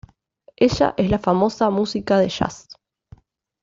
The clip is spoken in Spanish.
Ella es la famosa música de jazz.